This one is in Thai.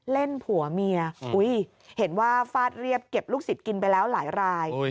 ผัวเมียเห็นว่าฟาดเรียบเก็บลูกศิษย์กินไปแล้วหลายราย